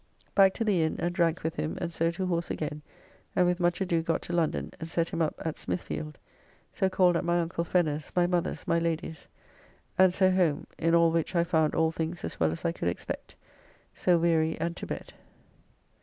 Back to the inn, and drank with him, and so to horse again, and with much ado got to London, and set him up at Smithfield; so called at my uncle Fenner's, my mother's, my Lady's, and so home, in all which I found all things as well as I could expect. So weary and to bed.